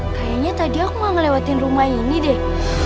kayaknya tadi aku mau ngelewatin rumah ini deh